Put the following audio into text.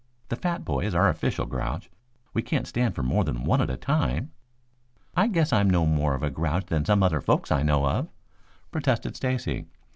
The fat boy is our official grouch. We can't stand more than one at a time." "I guess I'm no more a grouch than some other folks I know of," protested Stacy.